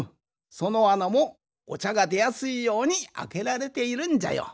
そのあなもおちゃがでやすいようにあけられているんじゃよ。